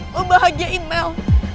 lo bahagiain mel